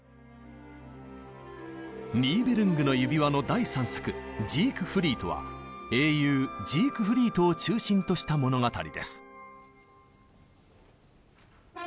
「ニーベルングの指環」の第３作「ジークフリート」は英雄ジークフリートを中心とした物語です。